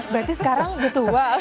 berarti sekarang betul wah